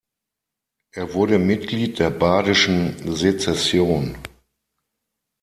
Er wurde Mitglied der Badischen Secession.